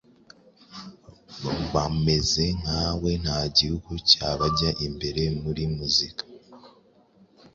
bameze nkawe nta gihugu cyabajya imbere muri muzika